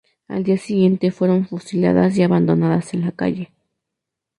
Al día siguiente fueron fusiladas y abandonadas en la calle.